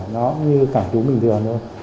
nó như cảm thú bình thường thôi